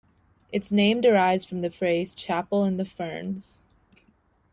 Its name derives from the phrase "Chapel in the Ferns".